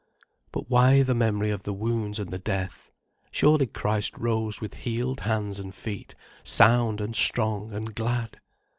But why the memory of the wounds and the death? Surely Christ rose with healed hands and feet, sound and strong and glad?